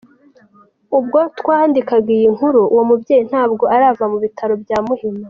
Ubwo twandikaga iyi nkuru, uwo mubyeyi ntabwo arava mu bitaro bya Muhima.